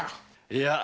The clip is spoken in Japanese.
いや。